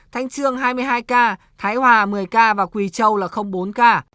thanh trương hai mươi hai ca thái hòa một mươi ca quỳ châu bốn ca